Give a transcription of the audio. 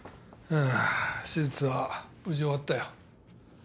手術は無事終わったよ